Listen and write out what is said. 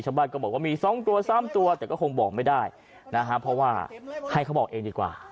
ชาวบ้านก็บอกว่ามี๒ตัว๓ตัวแต่ก็คงบอกไม่ได้นะฮะเพราะว่าให้เขาบอกเองดีกว่า